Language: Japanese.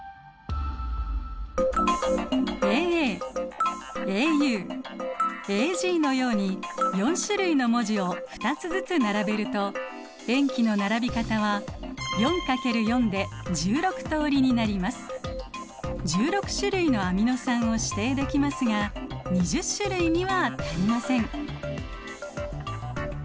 ＡＡＡＵＡＧのように４種類の文字を２つずつ並べると塩基の並び方は１６種類のアミノ酸を指定できますが２０種類には足りません。